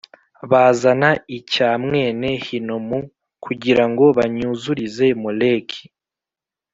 Bazana icya mwene Hinomu kugira ngo banyuzurize Moleki